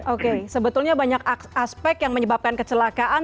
oke sebetulnya banyak aspek yang menyebabkan kecelakaan